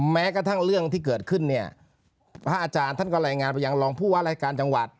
แม้กระทั่งเรื่องที่เกิดขึ้นเนี่ยพระอาจารย์ท่านก็รายงานไปยังรองผู้ว่ารายการจังหวัด